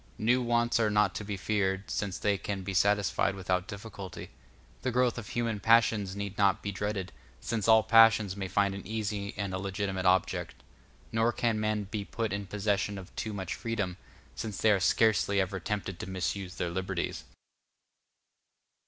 New wants are not to be feared, since they can be satisfied without difficulty; the growth of human passions need not be dreaded, since all passions may find an easy and a legitimate object; nor can men be put in possession of too much freedom, since they are scarcely ever tempted to misuse their liberties.